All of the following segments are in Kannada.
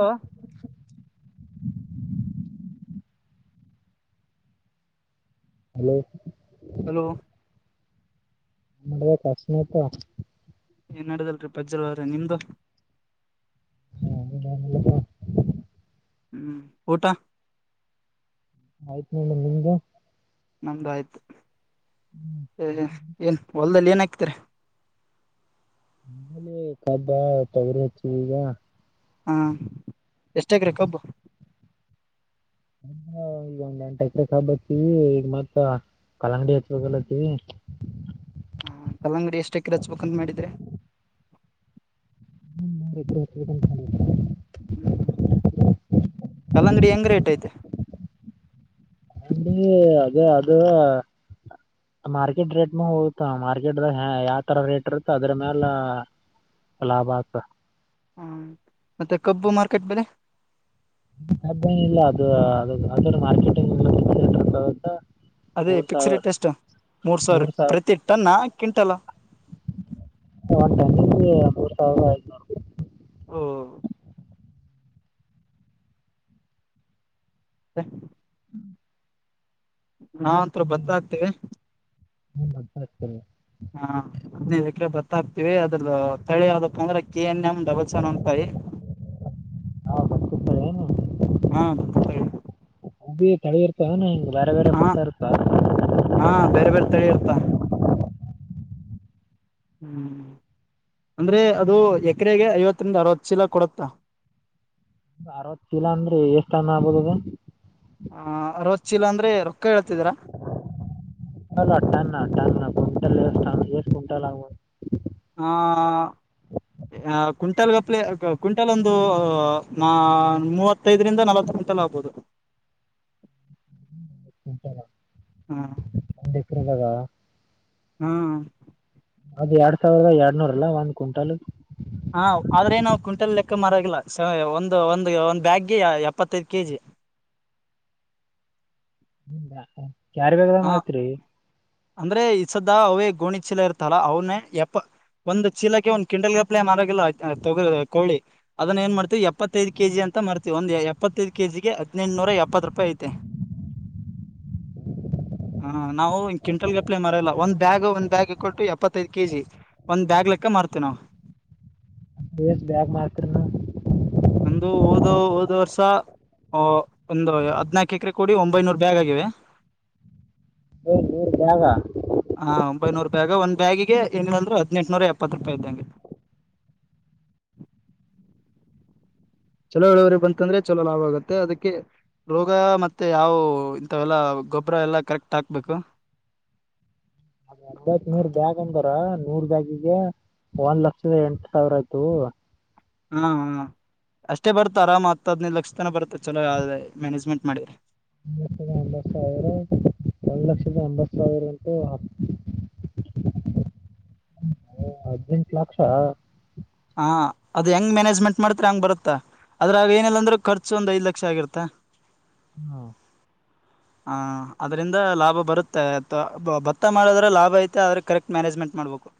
ಓ ಹಲೋ ಹಲೋ ಎನ್ ನಾಡದದ ಕಾಶಿನಾಥ್. ಏನ್ಡದಲ್ರಿ ಪಜ್ಜಲ್ವಾರೆ ನಿಮ್ದು. ನಮ್ದ್ ಯಾನ್ ಇಲ್ಲಪ್ಪ. ಹ್ಮ್ ಊಟಾ ಆಯ್ತ್ ನೋಡ್ ನಿಮ್ದು. ನಮ್ದಯ್ತು ಏ ಏ ಎಲ್ ಹೊಲ್ದಲ್ಲಿ ಏನ್ ಹಾಕ್ತೀರಿ. ನಂಬಲಿ ಕಬ್ಬ ತೋಗರಿ ಹಚ್ಚಿವಿ ಈಗ. ಹಾ ಎಷ್ಟ ಎಕ್ರೆ ಕಬ್ಬು. ಈಗ ಒಂದ್ ಎಂಟ ಎಕ್ಕರ್ ಕಬ್ಬ ಹಚ್ಚಿವಿ ಈಗ ಮತ್ತ ಆ. ಕಲಂಗಡಿ ಹಚ್ಬೇಕ ಅಲ್ಲತ್ತಿವಿ. ಹಾ ಕಲ್ಲಂಗಡಿ ಎಷ್ಟ ಎಕ್ರೆ ಹಚ್ಚಬೇಕ ಅಂತ್ ಮಾಡಿದ್ರಿ. ಸುಮ್ ಇದ್ದೋಟ ಹಚ್ಚಬೇಕ್ ಅಂತ ಮಾಡಿವಿ. ಹ್ಮ್ ಕಲ್ಲಂಗಡಿ ಹೆಂಗ್ ರೇಟ್ ಐತಿ. ಕಲಂಗಡಿ ಅದೇ ಅದ ಅ ಮಾರ್ಕೆಟ್ ರೇಟ್ ಮ್ಯಾಗ ಹೋತಾ ಮಾರ್ಕೆಟ್ದಾಗ್ ಹ್ಯ ಯಾವ್ ತರ ರೇಟ್ ಇರತ್ತ ಅದರ್ ಮ್ಯಾಲ. ಲಾಬ ಆತದ. ಹ್ಮ ಮತ್ತೆ ಕಬ್ಬು ಮಾರ್ಕೆಟ್ ಬೆಲೆ. ಅದೇನಿಲ್ಲ ಅದ ಅ ಅದ ಅದರ್ದ ಮಾರ್ಕೆಟ [unintelligible] ಅದೇ ಪಿಕ್ಸ್ ರೇಟ್ ಎಸ್ಟ ಮೂರ ಸಾವ್ರ ಮೂರ್ ಸಾವಿರ ಪ್ರತಿ ಟನ್ನಾ ಕ್ವಿಂಟಲ ಓನ್ ಟಣ್ಣಿಗಿ ಮೂರ ಸಾವ್ರದ ಐದ್ ನೂರ್. ಓ ಹ್ ನಾವಂತ್ರು ಬತ್ತಾ ಹತ್ತಿವಿ. ಹ್ಮ ಮತ್ತ್ ಹತ್ತ್ಯವ ಹಾ ಹದ್ನೈದ ಎಕ್ರೆ ಬತ್ತ ಹಾಕ್ತಿವಿ ಅದ ಅದರ್ದ ತಳಿ ಯಾವ್ದಪ್ಪ ಅಂದ್ರ K N M double seven five. ಹಾ ಬರ್ತಿರ್ತಾವ ಏನು ಹಾ [unintelligible] ಅವ್ಬಿ ತಳಿ ಇರ್ತವ್ಯಾನ. ಬ್ಯಾರೆ ಬ್ಯಾರೆ ಹಾ ಬತ್ತ ಇರ್ತಾವೇನ. ಹಾ ಬೇರೆ ಬೇರೆ ತಳಿ ಇರ್ತ ಹ್ಮ್ ಅಂದ್ರೆ ಅದು ಎಕ್ರೆಗೆ ಐವತ್ತರಿಂದ ಅರವತ್ ಚೀಲ ಕೊಡತ್ತ. ಅರವತ್ ಚೀಲ ಅಂದ್ರ ಎಷ್ಟ ಟನ್ ಆಗ್ಬೋದ ಅದು. ಹ ಅರವತ್ತ ಚೀಲ ಅಂದ್ರೆ ಅರು ಅಲ್ಲ ಟನ್ ಟನ್ ಕುಂಟಲ್ ಎಸ್ಟ್ ಟನ್ ಎಸ್ ಕುಂಟಲ್ಲ ಆಗಬೊದ. ಹಾ ಏ ಹ ಕ್ವಿಂಟಲ್ ಗಪ್ಲೆ ಕು ಕ್ವಿಂಟಲ್ ಒಂದು ಅ ಮೂವತ್ತೈದರಿಂದ ನಲವತ್ ಕುಂಟಲ್ ಆಗ್ಬೋದು. ಕುಂಟಲ. ಹಾ ತ್ರಿಂಗದ [unintelligible] ಹ್ಮ್ ಅದ್ ಎರಡ್ ಸಾವಿರದ ಎರಡ್ನೂರ ಅಲ್ಲಾ ಒಂದ್ ಕ್ವಿಂಟಾಲ್ ಹಾ ಆದ್ರೆ ನಾವು ಕ್ವಿಂಟಲ್ ಲೆಕ್ಕ ಮರವಾಗಿಲ್ಲ ಒಂದು ಒಂದು ಒಂದ್ ಬ್ಯಾಗ್ಗೆ ಎಪ್ಪತ್ತೈದು ಕೆಜಿ [inaudible] ಯಾರ್ ಬೇಕದ ಆ ಮಾಡತ್ರಿ ಅಂದ್ರೆ ಈಸದ್ದ ಅವೇ ಗೋಣಿ ಚೀಲ ಇರ್ತಲ್ಲ ಅವ್ನೇ ಯಪ್ಪ ಒಂದು ಚೀಲಕ್ಕೆ ಒಂದು ಕಿಂಡಲ್ಗಪ್ಲ ಮಾರೋಗಿಲ್ಲ ತಗ ಕೋಳ್ಳಿ ಅದನ್ನ ಏನ್ ಮಾಡ್ತೀವಿ ಎಪ್ಪತ್ತು ಎತ್ತೈದು ಕೆ ಜಿ ಅಂತ ಮ ಮಾಡ್ತೀವಿ ಒಂದು ಎಪ್ಪತ್ತೈದು ಕೆ ಜಿಗೆ ಹದಿನೆಂಟುನೂರ ಎಪ್ಪತ್ತು ರೂಪಾಯಿ ಐತೆ [inaudible] [inaudible] ಹ ನಾವು ಕ್ವಿಂಟಲ್ ಗ ಕಪ್ಲೆ ಮರಲ್ಲ ಒ ಬ್ಯಾಗ್ ಒಂದ ಬ್ಯಾಗ್ ಕೊಟ್ಟು ಎಪ್ಪತ್ತೈದು ಕೆಜಿ ಒಂದ್ ಬಾಗ್ ಲೆಕ್ಕ ಮಾಡ ನ ಎಷ್ಟು ಬ್ಯಾಗ್ ಮಾರ್ತೀರಿ ನೀವು ಒ ಒ ವರ್ಷ ಒಂದು ಹದ್ನಾಾಕು ಎಕರೆ ಕೊಡಿ ಒಂಬೈನೂರು ಬ್ಯಾಗ್ ಆಗಿವೆ ಏ ಏ ಜಾಗ ಹ ಒಂಬೈನೂರು ಬ್ಯಾಗ ಒಂದ್ ಬ್ಯಾಗಿಗೆ ಏನ ಅಂದ್ರರು ಹದ್ನಂಟ್ನೂರ ಎಪ್ಪತ್ತು ರೂಪಾಯಿ ಇದ್ದಂಗೆ [inaudible] ಚಲೋ ಹೇಳವ್ರೆ ಬಂತಂದ್ರೆ ಚಲೋ ಲಾಭ ಆಗತ್ತೆ ಅದಕ್ಕೆ ರೋಗ ಮತ್ತೆ ಯಾವವು ಇಂಥವೆಲ್ಲ ಗೊಬ್ಬರ ಎಲ್ಲ ಕರೆಕ್ಟ್ ಹಾಕ್ಬೇಕು [inaudible] ಹಪ್ಪತ್ ಮೂರ್ ಬ್ಯಾಗ್ ಅಂತಾರ ಮೂರ್ ಬ್ಯಾಗಿಗೆ ಒಂದ್ ಲಕ್ಷದ ಎಂಟು ಸಾವಿರ ಆಯ್ತು ಹ್ಮ್ ಹ್ಮ್ ಅಷ್ಟೇ ಬರ್ತಾ ಆರಾಮ್ ಆಗ್ತದ್ ಲಕ್ಷ ತನ ಬರ್ತ ಚಲೋ ಯೆ ಮ್ಯಾನೇಜ್ಮೆಂಟ್ ಮಾಡಿರರಿ ಒ ಲಕ್ಷದ ಎಂಬತ್ ಸಾವಿರ ಒಂದು ಲಕ್ಷದ ಎಂಬತ್ ಸಾವಿರ ಅಂತೂ ಹತ್ತು [inaudible] ಹರ್ಜೆಂಟ್ ಲಕ್ಷ ಹಾ ಅದು ಹೆಂಗ್ ಮ್ಯಾನೇಜ್ಮೆಂಟ್ ಮಾಡ್ತ ಹಂಗ್ ಬರುತ್ತಾ ಆದದ್ರ ಅವ ಏನಿಲ್ಲಾ ಅಂದ್ರೂ ಖರ್ಚು ಒಂದ್ಐ ಲಕ್ಷ ಆಗಿರತ್ತ ಹಾ ಹ ಹ ಅದ್ರಿಂದ ಲಾಭ ಬರುತ್ತೆ ಅ ಭತ್ತ ಮಾಡದ್ರೆ ಲಾಭ ಐತೆ ಆದ್ರೆ ಕರೆಕ್ಟ್ ಮ್ಯಾನೇಜ್ಮೆಂಟ್ ಮಾಡ್ಬೇಕು [inaudible]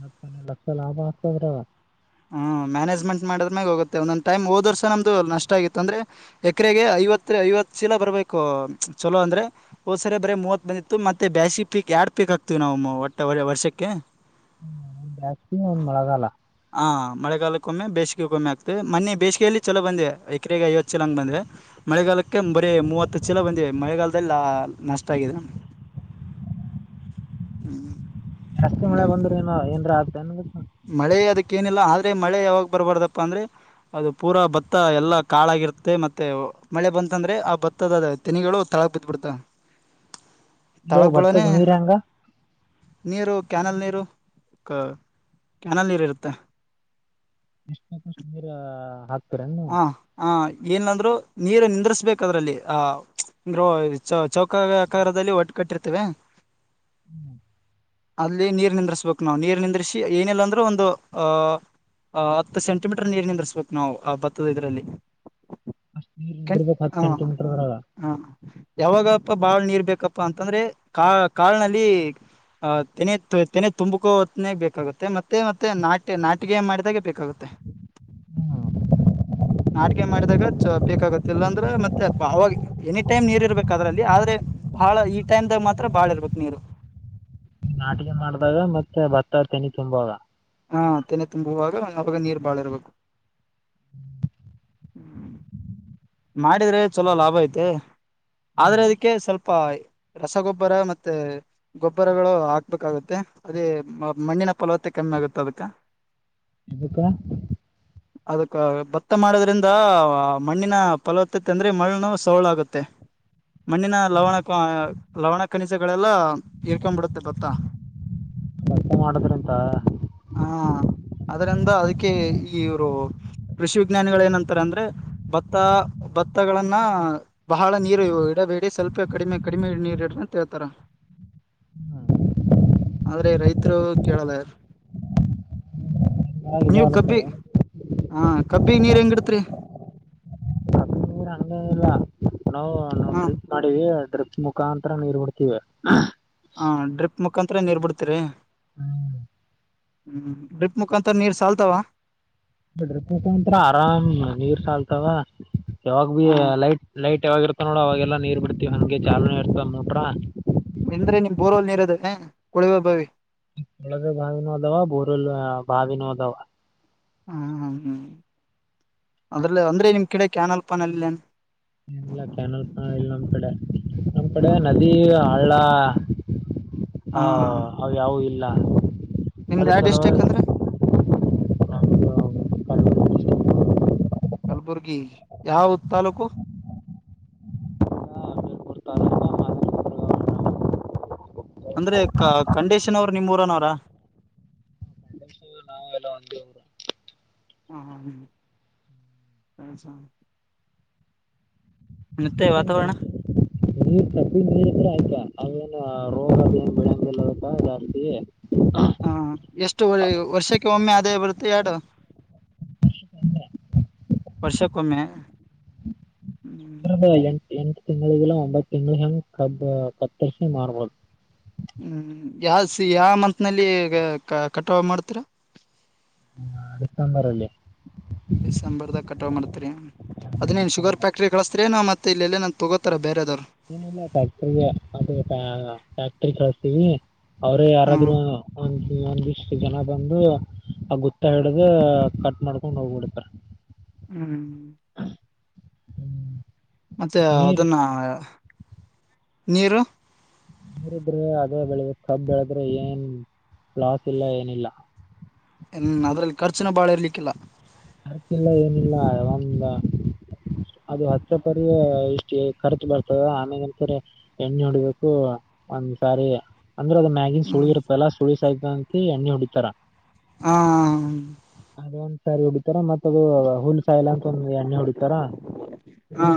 ಲಕ್ಷ ಲಕ್ಷ ಲಾಭ [inaudible] ಹ್ಮ್ ಮ್ಯಾನೇಜ್ಮೆಂಟ್ ಮಾಡದ್ಮ್ಯಾಗ ಹೋಗುತ್ತೆ ಒಂದೊಂದ್ ಟೈಮ್ ದ ವರ್ಷ ನಮ್ದು ನಷ್ಟ ಆಗಿತ್ತು ಅಂದ್ರೆ ಎಕರೆಗೆ ಐವತ್ತು ಐವತ್ ಶೀಲ ಬರಬೇಕು ಚಲೋ ಅಂದ್ರೆ ಹೋ ಸರಿ ಬರ ಮೂವತ್ ಬಂದಿತ್ತು ಮತ್ತೆ ಬ್ಯಾಸಿ ಪೀಕ್ ಎರಡ್ ಹಪ್ಪಾಗಕ್ತವಿ ನಾವು ಒಟ್ಟ ವರ್ಷಕ್ಕೆ ಹ್ಮ ಬಸ್ತಿ ಒನ್ ಮೊಳಗಾಲ ಹಾ ಮಳೆಗಾಲಕ್ಕಮ್ಮೆ ಬೇಸಿಗೆ ಕೊಮ್ಮೆ ಆಗ್ತದೆ ಮನೆ ಬೇಸಿಗೆಯಲ್ಲಿ ಚಲ ಬಂದಿದೆ ಎಕರೆಗೆ ಐವತ್ತು ಚಲೋಂಗ ಬಂದಿದೆ ಮಳೆಗಾಲಕ್ಕೆ ಬರೀ ಮೂವತ್ತು ಚಛಲ ಬಂದಿದೆ ಮಳೆಗಾಲದಲ್ಲಿ ನಷ್ಟ ಆಗಿದೆ ನಮಗೆ ಹ್ಮ್ ಜಾಸ್ತಿ ಮಳೆ ಬಂದ್ರರು ಏನ ಏರ ಆತನ್ ಗ ಮಳೆ ಅದಕ್ಕ ಏನಿಲ್ಲ ಆದ್ರೆ ಮಳೆ ಯಾವಾಗ ಬರ್ಬಾರ್ದಪ್ಪ ಅಂದ್ರೆ ಅದು ಪೂರಾ ಭತ್ತ ಎಲ್ಲಾ ಕಾಳಾಗಿ ಇರುತ್ತೆ ಮತ್ತೆ ಮಳೆ ಬಂತಂದ್ರೆ ಆ ಭತ್ತದ ತೆನಿಗಳು ತಳಕ್ ಬಿದ್ದ್ ಬಿಡ್ತ ಯ ಬತಕ ನೀ ರಂಗ ನೀರು ಕ್ಯಾನಲ್ ನೀರು ಕ್ಯಾನಲ್ ನೀರು ಇರುತ್ತೆ ಎರ ಹತ್ತು ಹ ಹ ಏನಂದ್ರು ನೀರು ನಿಂದ್ರಿಸಬೇಕ ಅದ್ರಲ್ಲಿ ಆ ಚ ಚೌಕ ಆಕಾರದಲ್ಲಿ ಒಟ್ಟ ಕಟ್ಟಿರ್ತೇವೆ ಹ್ಮ್ ಅಲ್ಲಿ ನೀರ್ ನಿಂದ್ರಿಸ್ಬೇಕು ನಾವವು ನೀರ್ ನಿಂದ್ರಿಸಿ ಏನಿಲ್ಲಾ ಅಂದ್ರೂ ಒಂದು ಅಹ್ ಆ ಹತ್ತು ಸೆಂಟಿಮೀಟರ್ ನೀರ್ ನಿಂದರ್ಸ್ ಬೇಕು ನಾವು ಆ ಭತ್ತದ ಇದರಲ್ಲಿ ಅಷ್ಟ್ ನೀರ್ ಕೆ ನಿಂದಿರ್ಬೇಕ್ ಹತ್ತ್ ಹಾ ಸೆಂಟಿಮೀಟರ್ ದ್ರಾಗ ಹಾ ಯಾವಾಗಪ್ಪ ಬಾಳ್ ನೀರ್ ಬೇಕಪ್ಪಾ ಅಂತಂದ್ರೆ ಕಾಳ್ ಕಾಳ್ನಲ್ಲಿ ಆ ತೆನೆ ತೆನೆ ತುಂಬಕೋ ಒತ್ತನಾಗ ಬೇಕಾಗುತ್ತೆ ಮತ್ತೆ ಮತ್ತೆ ನಾಟ್ಯ ನಾಟಿಗೆ ಮಾಡಿದಾಗೆ ಬೇಕ್ ಕಗುತ್ತೆ ಹ್ಮ್ ನಾಟಕೆ ಮಾಡಿದಾಗ ಬೇಕಾಗುತ್ತೆ ಇಲ್ಲಾಂದ್ರೆ ಮತ್ತೆ ಅವಾಗ ಎನಿ ಟೈಮ್ ನೀರ್ ಇರ್ಬೇಕ್ ಅದ್ರಲ್ಲಿ ಆದ್ರ ದೆ ಬಾಳ ಈ ಟೈಮ್ ದಾಗ ಮಾತ್ರ ಬಾಳ ಇರ್ಬೇಕು ನೀರು ನಾಟಿಗೆ ಮಾಡಿದಾಗ ಮತ್ತೆ ಭತ್ತ ತೆನಿ ತುಂಬೊಗ ಹಾ ತೆನೆ ತುಂಬುವಾಗ ಅವಾಗ ನೀರ್ ಬಾಳ ಇರ್ಬೇಕು ಹ್ಮ ಹ್ಮ್ ಮಾಡಿದ್ರೆ ಚಲೋ ಲಾಭ ಐತೆ ಆದ್ರೆ ಹ್ಮ್ ಅದಕ್ಕೆ ಸ್ವಲ್ಪ್ ಪ ರಸಗೊಬ್ಬರ ಮತ್ತೆ ಗೊಬ್ಬರಗಳು ಹಾಕ್ಬೇಕಾಗುತ್ತೆ ಅದೇ ಮಣ್ ಣ್ಣಿನ ಫಲವತ್ತೆ ಕಮ್ಮಿ ಆಗುತ್ತೆ ಅದ್ಕ ಯಾಕ ಅದಕ್ಕ ಭತ್ತ ಮಾಡೋದ್ರಿಂದ ಮಣ್ಣಿನ ಫಲವತ್ತತೆ ಅಂದ್ರೆ ಮಣ್ಣು ಸೊಳ್ ಆಗುತ್ತೆ ಮಣ್ಣಿನ ಲವಣ ಲವಣ ಕನಿಜಗಳೆಲ್ಲ ಇರ್ಕೊಂಡಬಿಡತ್ತೆ ಭತ್ತ. ಭತ್ತ ಮಾಡುದ್ರ ಅಂತ ಹಾ ಅದ್ರಿಂದ ಅದಕ್ಕೆ ಇವರು ಕೃಷಿ ವಿಜ್ಞಾನಿ ಗಳು ಏನಂತಾರೆ ಅಂದ್ರೆ ಭತ್ತ ಭತ್ತಗಳನ್ನ ಬಹಳ ನೀರು ಇಡಬೇಡಿ ಸ್ವಲ್ಪ ಕಡಿಮೆ ಕಡಿಮೆ ನೀರ್ ಇಡ್ರಿ ಅಂತ ಹೇಳ್ತಾರ [unintelligible] ಆದ್ರೆ ರೈತರು ಕೇಳಲ್ಲ ಯಾರ್ ಬಳತ್ತ [unintelligible] ಹಾ ಕಬ್ಬಿಗ್ ನೀರ್ ಹೆಂಗ್ ಇಡತ್ರಿ ನೀರ್ ಹಂಗೆ ಇಲ್ಲ ನಾವು ನಾವು ಹ ಡ್ರಿಪ್ ಮಾಡಿವಿ ಡ್ರಿಪ್ ಮುಖಾಂತರ ನೀರ್ ಬಿಡ್ತೀವಿ ಹಾ ಡ್ರಿಪ್ ಮುಖಾಂತರ ನೀರ್ ಬಿಡ್ತೀರಿ ಹ್ಮ್ ಹ್ಮ್ ಡ್ರಿಪ್ ಮುಖಾಂತ ನೀರ್ ಸಾಲ್ತಾವ ಡ್ರಿಪ್ ಮೂಖಂತರ ಆರಾಮ್ ನೀರ್ ಸಾಲ್ತಾವ. ಯಾವಾಗ ಬೀ ಹ ಲೈಟ್ ಲೈಟ್ ಯಾವಾಗ ಇರ್ತವ್ ನೋಡ ಅವಾಗೆಲ್ಲಾ ನೀರ್ ಬಿಡ್ತಿವಿ ಹಂಗೆ ಚಾಲನೆ ಇರ್ತನ್ ಬ್ರಿಟ್ರ ಇಂದ್ರೆ ನಿಮ್ ಬೋರವಲ್ ನೀರ್ ಇದ್ದವೆ ಕೊಳುವೆ ಬಾವಿ ಕೊಳವೆ ಬಾವಿನೂ ಆದಾವ ಬೋರವೆಲ್ ಬಾವಿನೂ ಆದಾವ ಹ್ಮ ಹ್ಮ್ ಹ್ಮ್ ಅದ್ರಲ್ಲೆ ಅಂದ್ರೆ ನಿಮ್ಮ ಕಡೆ ಕ್ಯಾನಲ್ ಪ್ಯಾನಲ್ ಇಲ್ಲೇನ್ ಏನಿಲ್ಲ ಕ್ಯಾನಲ್ ಪ್ಯಾನಲ್ ಇಲ್ಲ ನಮ್ ಕಡೆ ನಮ್ ಕಡೆ ನದಿ ಹಳ್ಳ ಹ ಅವು ಯಾವು ಇಲ್ಲ ನಿಮ್ದ ಅದ್ರ ಯಾವ್ ಡಿಸ್ಟಿಕ್ ಸಲುವಾಗಿ ಅಂದ್ರಿ ನಾವು [unintelligible] ಕಲಬುರ್ಗಿ ಯಾವ್ ತಾಲ್ಲೂಕು ಅಂದ್ರೆ ಕ ಕಂಡೀಶನ್ ಅವ್ರ ನಿಮ್ಮ ಊರನ ಅವರ ಎಲ್ಲ ಒಂದೇ ಊರು ಹಾ [unintelligible] ಮತ್ತೆ ಅದಕ್ಕೇನ್ ವಾತಾವರಣ ನೀರ್ ತಪ್ಪಿ ನೀರು ಇದ್ರೆ ಆಯ್ತಾ ಅವೇನ್ ರೋಗ ಅದ ಏನ್ ಬಿಳಂಗಲ್ಲಿ ಏನೂ ಅದಕ್ಕ ಜಾಸ್ತಿ ಹಾ ಎಷ್ಟು ವರ್ಷಕ್ಕೆ ಒಮ್ಮೆ ಅದೇ ಬರುತ್ತೆ ಎರಡು ವರ್ಷಕೊಮ್ಮೆ ಇ ಎಂಟ್ ಎಂಟು ತಿಂಗಳಿಗ್ ಇಲ್ಲ ಒಂಬತ್ತು ತಿಂಗಳಿಗೆ ಕ ಕತ್ತರಿ ಮಾರ್ಬದು ಹ್ಮ್ ಯಾವ ಸಿ ಯಾವ ಮಂತ್ ನಲ್ಲಿ ಕಟಾವು ಮಾಡ್ತೀರ ಹ್ಮ ಡಿಸೆಂಬರ್ ಅಲ್ಲೀ ಡಿಸೆಂಬರ್ದಾಗ ಕಟ್ ಮಾಡ್ತೀರಿ ಅದೆನೇನು ಶುಗರ್ ಡಿಸೆಂಬರ್ ಫ್ಯಾಕ್ಟ್ರಿ ಕಳಸ್ತೀರೇನೂ ಮತ್ತೆ ಇಲ್ಲಿ ಎಲ್ಲಾನ ತಗೋತಾರ ಬೇರೆದವರು ಏನಿಲ್ಲ ಫ್ಯಾಕ್ಟ್ರಿಗೆ ಅ ಫ್ಯಾಕ್ಟ್ರ ಕಳಸ್ತೀವ ಅವ್ರೇ ಯಾರಾದ್ ಹ್ಮ್ ಒ ಒಂದಿಷ್ಟು ಜನ ಬಂದು ಆ ಗೊುತ್ತ ಹಿಡ್ದ ಕಟ್ ಮಾಡ್ಕೊಂಡ್ ಹೋಗ್ಬಿಡ್ತಾರ ಹ್ಮ್ ಹ್ಮ್ ಮತ್ತ ಅದನ್ನು ನೀರು ನೀರಿದ್ರೆ ಅದ ಬೆಳದು ಕಬ್ ಬೆಳೆದ್ರೆ ಏನ್ ಲಾಸ್ ಇಲ್ಲ ಏನಿಲ್ಲ ಹ್ಮ ಅದ್ರಲ್ಲಿ ಖರ್ಚುನ ಬಾಳ ಇರ್ಲಿಕ್ಕಿಲ್ಲ ಹರ್ಕಿಲ್ಲ ಏನಿಲ್ಲ ಯ ಅದು ಹತ್ತೆ ಪರಿ ಇಷ್ಟು ಖರ್ಚು ಬರ್ತದ ಆಮೇಲೆಸರಿ ಎಣ್ಣೆ ನೋಡಿಬೇಕು ಒಂದ್ಸಾರಿ ಅಂದ್ರೆ ಅದ್ ಮ್ಯಾಗಿನ್ ಸುಳಿ ಹ್ಮ್ ಇರುತ್ತಲ್ಲಾ ಸುಳಿ ಸಾಯ್ತ ಅಂತ ಎಣ್ಣಿ ಹೊುಡಿತಾರ ಹ ಅದೊಂದ್ ಸಾರಿ ಹೊಡಿತಾರ ಮತ್ತ ಅದು ಹೂಲ್ ಸಾಯಲ ಅಂತ ಒಂದು ಎಣ್ಣೆ ಹೊಡಿತಾರ್ತ ಹ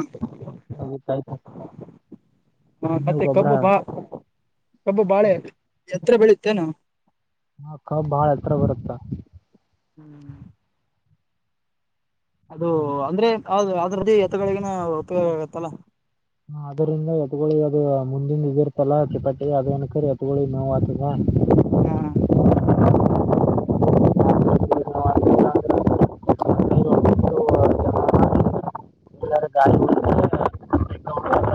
ಹಾ ಮತ್ತೆ ಕಬ್ಬು ಬಾ ಕಬ್ಬು ಬಾಳೆ ಎತ್ರ ಬೆಳುತ್ತೇನ ಹಕ್ಕ ಬಾಳ ಹತ್ರ ಬರುತ್ತ ಅದು ಅಂದ್ರೆ ಅ ಅದ್ರದ್ದು ಎತಗನ ಉಪಯೋಗ ಆಗತ್ತಲ್ಲ ಹ ಅದರಿಂದ ಎತ್ಗೊಳ್ಳಿ ಅದು ಮುಂದಿನ ಇದಿರ್ತಲ್ಲ ಚಿಪಾಟಿ ಅದ ಅನಕ ಎತ್ಗೋಳಿ ನೋವು ಆತದೆ ಹಾ [unintelligible] ಗಾ ಹ್ಮ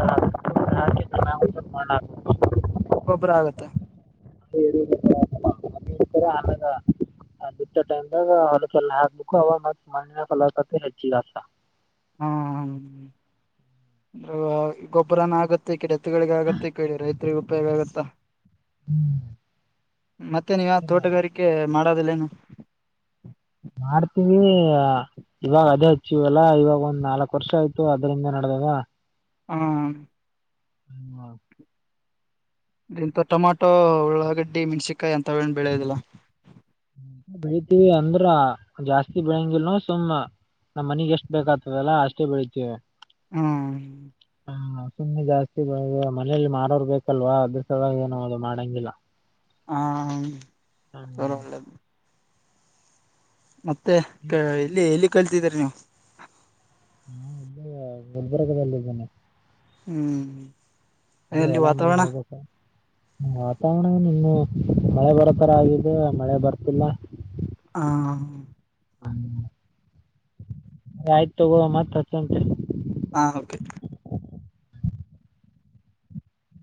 [unintelligible] ಗೊಬ್ಬರ ಆಗತ್ತೆ ಹೇಳತರ ಹಾ ಅಲ ಬಿಟ್ಟ ಟೈಮ್ದಾಗ ಹೊಲ ಚ ಹಾಕ್ಬೇಕು ಅವಾಗ ಮತ್ು ಮಣಿನ ಕಲಕತ್ತ ಹೆಚ್ಚಿಲ್ಲಸ ಹ್ಮ ಹ್ಮ್ ಗೊಬ್ಬರನ ಆಗುತ್ತೆ ಕಿಡ ರಗಳಿಗ ಆಗತ್ತೆ ಕೇಳಿ ರೈತರಿಗೆ ಉಪಯೋಗ ಆಗತ್ತಾ ಹ್ಮ್ ಮತ್ತೇ ನೀಗ ತೋಟಗಾರಿಕೆ ಮಾಡೋದಿಲ್ಲೇನು ಮಾಡ್ತೀವಿ ಇವಾಗ ಅದೇ ಹಚ್ಚಿವಲ್ಲಾ ಇವಾಗ ಒಂದ್ ನಾಲ್ಕಕ್ ವರ್ಷ ಆಯ್ತು ಅದ್ರಿಂದ ನಡ [unintelligible] ಹ್ಮ ಹ್ಮ ಇಂತ ಟೊಮಾಟೊ ಉಳ್ಳಾಗಡ್ಡಿ ಮೆಣ್ಸಿಕಾಯಿ ಅಂತವನ್ ಬೆಳೆಯೋದಿಲ್ಲ ಬೆಳತಿೀವಿ ಅಂದ್ರ ಜಾಸ್ತಿ ಬೆಳಂಗಿಲ್ನ ಸುಮ್ಮ ನಮ್ ಮನಗ್ ಎಷ್ಟು ಬೇಕ್ತದಲ್ಲಾ ಅಷ್ಟೇ ಬೆಳತಿವಿ ಹ್ಮ ಹ ಸುಮಮ್ಮನೆ ಜಾಸ್ತಿ ಮನೆಯಲ್ಲಿ ಮಾರೋರ್ ಬೇಕಲ್ವಾ ಅದ್ರ ಸಾಗಿ ಏನೋ ಅದು ಮಾಡಂಗಿಲ್ಲ ಹಾ ಹಾ ಸರಲ್ಲ ಮತ್ತೆ ಎಲ್ಲಿ ಎಲ್ಲಿ ಕಲ್ತಿದೀರಿ ನೀವು ನಾ ಎಲ್ಲ ಗುಲ್ಬರ್ಗದಲ್ಲಿದ್ದೇನೆ ಹ್ಮ್ ಅಲ್ಲಿ ಎಲ ಮನಿ ವಾತಾವರಣ ಹೋಗ ವಾತಾವರಣ ನಿನ್ನು ಮಳೆ ಬರೋ ತರ ಆಗಿದೆ ಮಳೆ ಬರ್ತಿಲ್ಲ ಹ ಅ ಆಯ್ತು ತಗೋ ಮತ್ ಹಚ್ಚಂತೆ ಹಾ ಕೆ